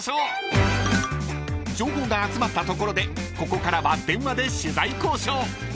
［情報が集まったところでここからは電話で取材交渉］